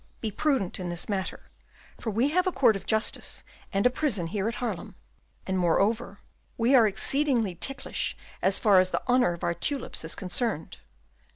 Be prudent in this matter, for we have a court of justice and a prison here at Haarlem, and, moreover, we are exceedingly ticklish as far as the honour of our tulips is concerned.